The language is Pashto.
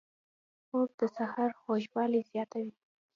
خوب د سحر خوږوالی زیاتوي